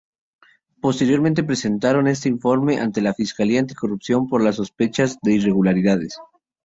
Posteriormente presentaron este informe ante la Fiscalía Anticorrupción por las sospechas de irregularidades.